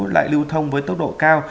lại lưu thông với tốc độ cao